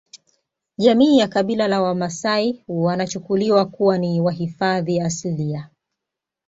Jamii ya kabila la wamasai wanachukuliwa kuwa ni wahifadhi asilia